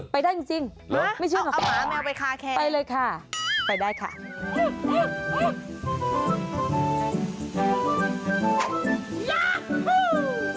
ไปได้จริงไม่ใช่เหรอคะไปเลยค่ะไปได้ค่ะเอาหมาแมวไปคาแคร